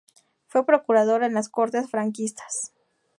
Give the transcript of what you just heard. Fue procurador en las Cortes franquistas.